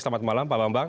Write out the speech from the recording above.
selamat malam pak bambang